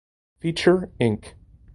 Feature Inc.